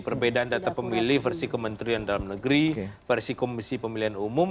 perbedaan data pemilih versi kementerian dalam negeri versi komisi pemilihan umum